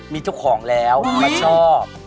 มีเจ้าของแล้วและชอบ